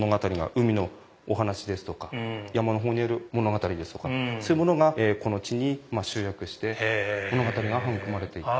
海のお話ですとか山の方にある物語ですとかそういうものがこの地に集約して物語が育まれていった。